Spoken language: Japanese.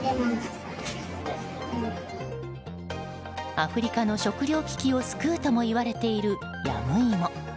アフリカの食糧危機を救うともいわれているヤムイモ。